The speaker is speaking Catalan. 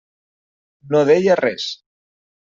No deia res.